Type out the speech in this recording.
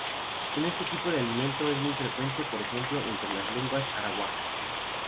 Este tipo de alineamiento es muy frecuente, por ejemplo, entre las lenguas arawak.